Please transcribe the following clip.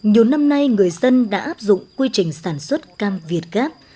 nhiều năm nay người dân đã áp dụng quy trình sản xuất cam việt gáp